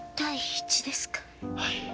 はい。